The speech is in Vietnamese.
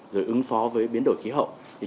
rồi ứng phó với biến đổi khí hậu